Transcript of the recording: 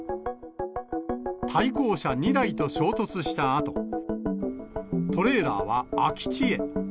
対向車２台と衝突したあと、トレーラーは空き地へ。